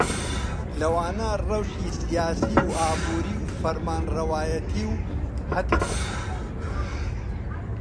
لەوانە ڕەوشی سیاسی و ئابووری و فەرمانڕەوایەتی و هتد